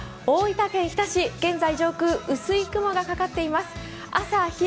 大分県日田市、現在、上空薄い雲がかかっています。